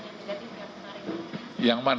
atau sudah ada apa yang negatif